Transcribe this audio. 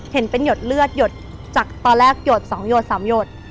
เห็นเป็นหยดเลือดหยดจากตอนแรกหยด๒หยด๓หยด